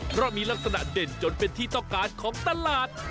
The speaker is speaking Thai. เพราะมีลักษณะเด่นจนเป็นที่ต้องการของตลาด